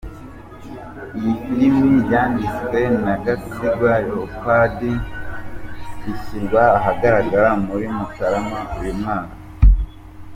Iyi filime yanditswe na Gasigwa Leopord, ishyirwa ahagaragara muri Mutarama uyu mwaka.